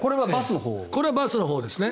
これはバスのほうですね。